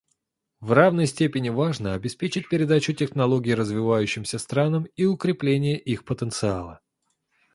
В равной степени важно обеспечить передачу технологий развивающимся странам и укрепление их потенциала.